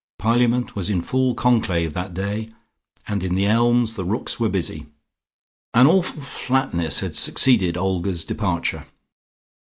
Parliament was in full conclave that day, and in the elms the rooks were busy. An awful flatness had succeeded Olga's departure.